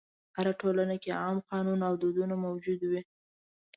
هره ټولنه کې عام قانون او دودونه موجود وي.